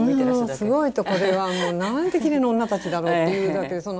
すごいとこれは。なんてきれいな女たちだろうっていうだけで。